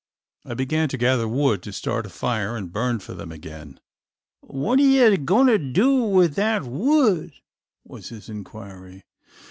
I began to gather wood to start a fire and burn for them again. "What are ye goin' to do with that wood?" was his inquiry.